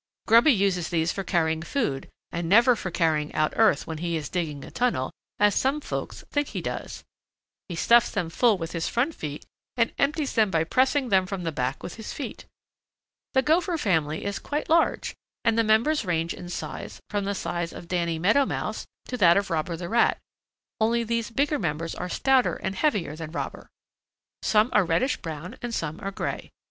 Grubby uses these for carrying food and never for carrying out earth when he is digging a tunnel, as some folks think he does. He stuffs them full with his front feet and empties them by pressing them from the back with his feet. The Gopher family is quite large and the members range in size from the size of Danny Meadow Mouse to that of Robber the Rat, only these bigger members are stouter and heavier than Robber. Some are reddish brown and some are gray.